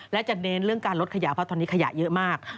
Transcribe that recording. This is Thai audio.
และจะเน้นเรื่องการลดขยะเพราะว่าเยอะมาก